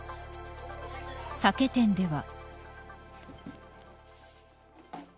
酒店では。